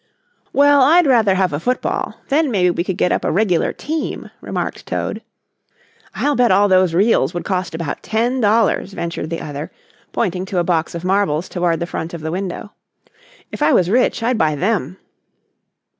"Well, I'd rather have a football; then maybe we could get up a regular team," remarked Toad. "I'll bet all those reals would cost about ten dollars," ventured the other, pointing to a box of marbles toward the front of the window. "If I was rich I'd buy them."